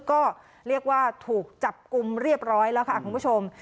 ก็เรียกว่าถูกจับกลุ่มเรียบร้อยแล้วค่ะคุณผู้ชม